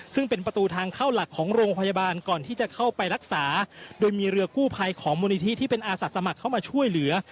ซึ่งเป็นประตูทางเข้าหลักของโรงพยาบาลก่อนที่จะเข้าไปรักษาโดยมีเรือกู้ภัยของมูลนิธิที่เป็นอาสาสมัครเข้ามาช่วยเหลือ